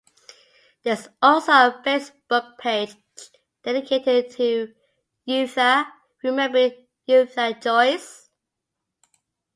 There is also a Facebook page dedicated to Yootha, "Remembering Yootha Joyce".